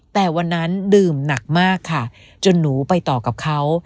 แต่วันนั้นดื่มหนักมากค่ะจนหนูไปต่อกับเขา